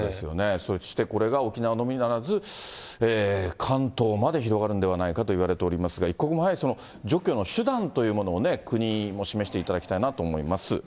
そしてこれが沖縄のみならず、関東まで広がるんではないかといわれておりますが、一刻も早く、その除去の手段というものを国も示していただきたいなと思います。